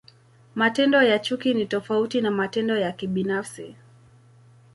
Matendo ya chuki ni tofauti na matendo ya kibinafsi.